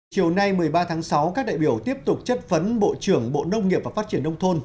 chiều nay một mươi ba tháng sáu các đại biểu tiếp tục chất vấn bộ trưởng bộ nông nghiệp và phát triển nông thôn